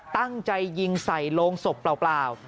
ตั้งใจยิงใส่โรงศพเปล่า